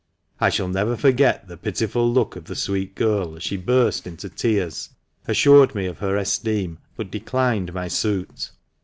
I shall never forget the pitiful look of the sweet girl as she burst into tears, assiired me of her esteem, but declined my suit.